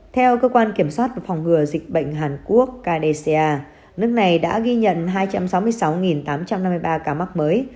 theo cơ quan kiểm soát và phòng ngừa dịch bệnh hàn quốc indonesia nước này đã ghi nhận hai trăm sáu mươi sáu tám trăm năm mươi ba ca mắc mới